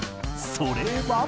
それは。